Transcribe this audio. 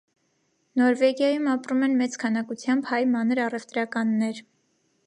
Նորվեգիայում ապրում են մեծ քանակությամբ հայ մանր առևտրականներ։